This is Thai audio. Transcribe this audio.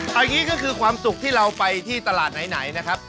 เอาอย่างนี้ก็คือความสุขที่เราไปที่ตลาดไหนนะครับ